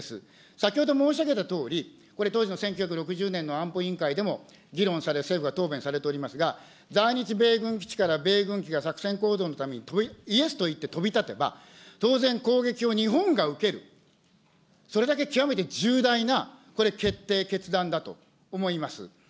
先ほど申し上げたとおり、これ、当時の１９６０年の安保委員会でも議論され、政府が答弁されておりますが、在日米軍基地から米軍機が作戦行動のためにイエスと言って飛び立てば、当然、攻撃を日本が受ける、それだけ極めて重大なこれ、決定、決断だと思います。